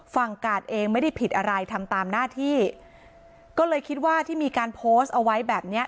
กาดเองไม่ได้ผิดอะไรทำตามหน้าที่ก็เลยคิดว่าที่มีการโพสต์เอาไว้แบบเนี้ย